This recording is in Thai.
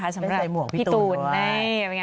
เพิ่งใส่หมวกพี่ตูน